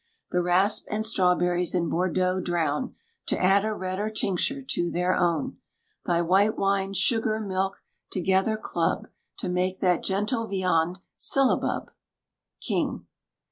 The rasp and strawberries in Bordeaux drown, To add a redder tincture to their own! Thy white wine, sugar, milk, together club, To make that gentle viand syllabub! KING.